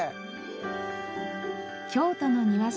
京都の庭師